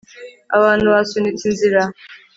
abantu basunitse inzira